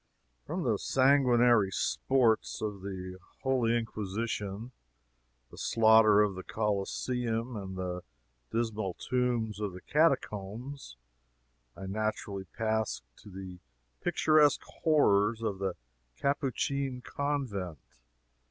From the sanguinary sports of the Holy Inquisition; the slaughter of the Coliseum; and the dismal tombs of the Catacombs, I naturally pass to the picturesque horrors of the Capuchin Convent.